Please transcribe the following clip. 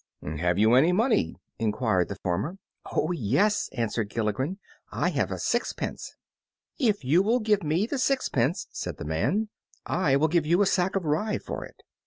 "Have you any money?" enquired the farmer. "Oh yes," answered Gilligren, "I have a sixpence." "If you will give me the sixpence," said the man, "I will give you a sack of rye for it."